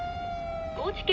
高知県